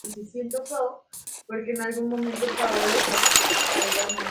Por una parte trata la cuestión del dualismo entre el cuerpo y la mente.